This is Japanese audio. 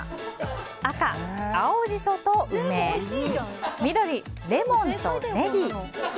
赤、青ジソ＋梅緑、レモン＋ネギ。